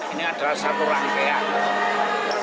ini adalah satu rangkaian